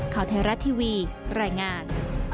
ข่าวเทราทีวีรายงาน